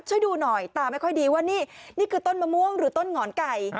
ช่วยดูหน่อยตาไม่ค่อยดีว่านี่นี่คือต้นมะม่วงหรือต้นหอนไก่